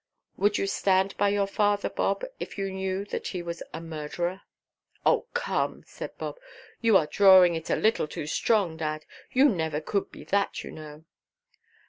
"Would you stand by your father, Bob, if you knew that he was a murderer?" "Oh come," said Bob, "you are drawing it a little too strong, dad. You never could be that, you know."